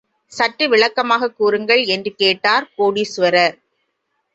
சற்று விளக்கமாகக் கூறுங்கள் என்று கேட்டார் கோடீசுவரர்.